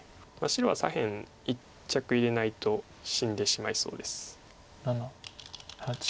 白は左辺一着入れないと死んでしまいそうです。